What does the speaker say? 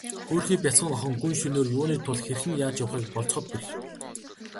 Хөөрхий бяцхан охин гүн шөнөөр юуны тул хэрхэн яаж явахыг болзоход бэрх.